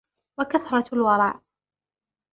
وَكَثْرَةُ الْوَرَعِ